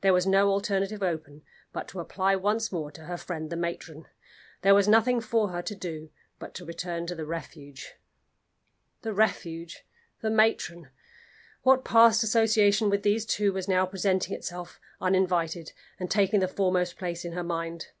There was no alternative open but to apply once more to her friend the matron. There was nothing for her to do but to return to the Refuge! The Refuge! The matron! What past association with these two was now presenting itself uninvited, and taking the foremost place in her mind?